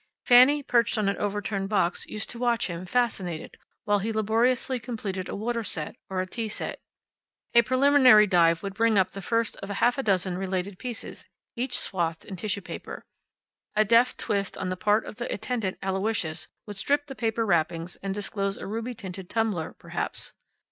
Fanny, perched on an overturned box, used to watch him, fascinated, while he laboriously completed a water set, or a tea set. A preliminary dive would bring up the first of a half dozen related pieces, each swathed in tissue paper. A deft twist on the part of the attendant Aloysius would strip the paper wrappings and disclose a ruby tinted tumbler, perhaps.